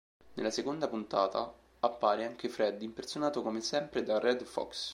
Nella seconda puntata appare anche Fred, impersonato come sempre da Redd Foxx.